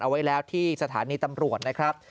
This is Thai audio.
เอาไว้แล้วที่สถานีตำรวจนะครับ